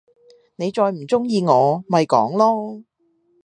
你再唔中意我，咪講囉！